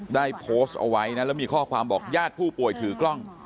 ได้โพสต์เอาไว้นะแล้วมีข้อความบอกญาติผู้ป่วยถือกล้อง